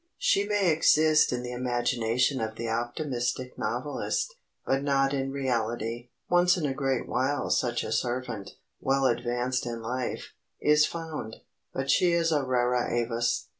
She may exist in the imagination of the optimistic novelist,—but not in reality. Once in a great while such a servant, well advanced in life, is found,—but she is a rara avis.